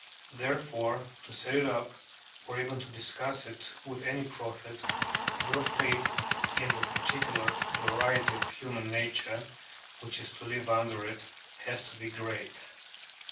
Therefore, to set it up, or even to discuss it with any profit, your faith in the particular variety of human nature, which is to live under it, has to be great.